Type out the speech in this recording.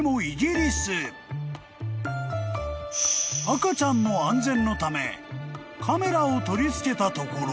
［赤ちゃんの安全のためカメラを取り付けたところ］